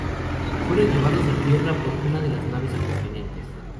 Fueron llevados a tierra por una de las naves acompañantes.